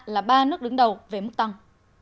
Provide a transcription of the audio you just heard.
là ba nước đứng đầu về mức tăng